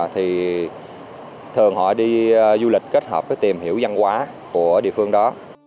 thì thường họ đi du lịch kết hợp với tìm hiểu văn hóa của địa phương đó